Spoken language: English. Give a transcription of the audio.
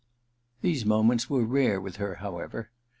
These moments were rare with her, how ever.